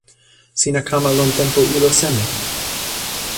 sina kama lon tenpo ilo seme?